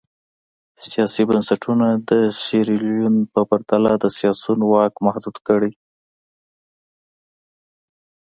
سیاسي بنسټونه د سیریلیون په پرتله د سیاسیونو واک محدود کړي.